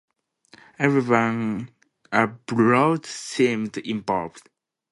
Everyone abroad seemed involved.